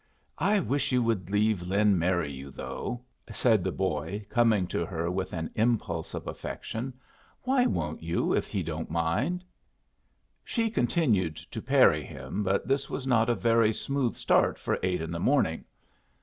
I wish you would leave Lin marry you, though," said the boy, coming to her with an impulse of affection. "Why won't you if he don't mind?" She continued to parry him, but this was not a very smooth start for eight in the morning.